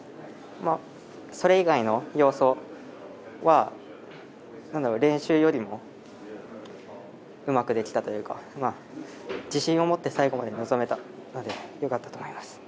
それ以外の要素は練習よりもうまくできたというか自信をもって最後まで臨めたかなと思います。